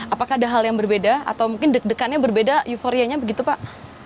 apakah ada hal yang berbeda atau mungkin deg degannya berbeda euforianya begitu pak